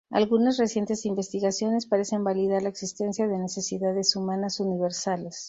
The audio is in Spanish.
Algunas recientes investigaciones parecen validar la existencia de necesidades humanas universales.